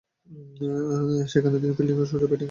সেখানে তিনি ফিল্ডিং এবং সোজা ব্যাটিংয়ে পারদর্শীতা অর্জন করেন।